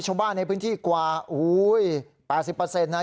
ชาวบ้านในพื้นที่กวาอุ้ยแปดสิบเปอร์เซ็นต์นะฮะ